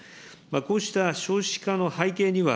こうした少子化の背景には、